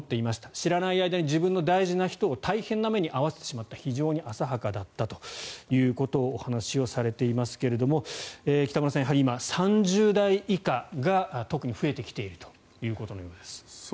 知らない間に自分の大事な人を大変な目に遭わせてしまった非常に浅はかだったということをお話しされていますが北村さん、今、３０代以下が特に増えてきているということのようです。